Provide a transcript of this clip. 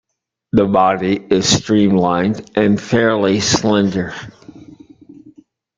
The body is streamlined and fairly slender.